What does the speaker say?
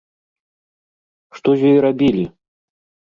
Што з ёй рабілі?